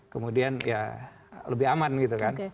kemudian ya lebih aman gitu kan